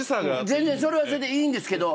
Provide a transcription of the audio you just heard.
全然それはそれでいいですけど。